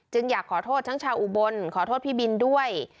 อยากขอโทษทั้งชาวอุบลขอโทษพี่บินด้วย